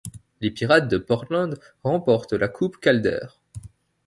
Les Pirates de Portland remportent la coupe Calder.